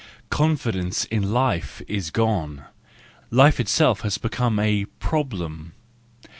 Confidence in life is gone: life itself has become a problem